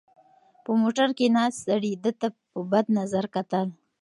په موټر کې ناست سړي ده ته په بد نظر کتل.